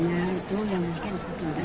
itu yang mungkin penting